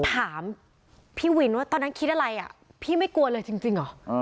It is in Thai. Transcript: ถามพี่วินว่าตอนนั้นคิดอะไรอ่ะพี่ไม่กลัวเลยจริงเหรอ